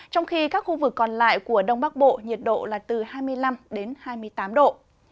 trong khi các khu vực còn lại của đông bắc bộ nhiệt độ là từ hai mươi năm đến hai mươi tám độ